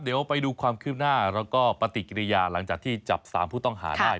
เดี๋ยวไปดูความคืบหน้าแล้วก็ปฏิกิริยาหลังจากที่จับ๓ผู้ต้องหาได้